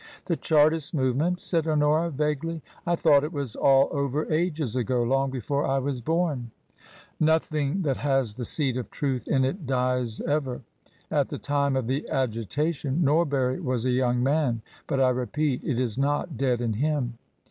" The Chartist movement ?" said Honora, vaguely. " I thought it was all over ages ago — long before I was bom." " Nothing that has the seed of truth in it dies ever. At the time of the agitation Norbury was a young man ; but I repeat, it is not dead in him."